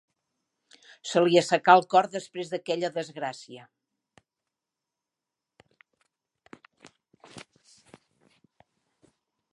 Se li assecà el cor després d'aquella desgràcia.